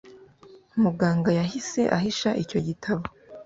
Muganga yahise ahisha icyo gitabo.